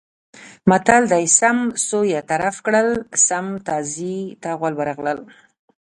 متل دی: سم سوی طرف کړل سم تازي ته غول ورغلل.